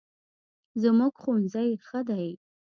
زموږ ښوونځی ښه دی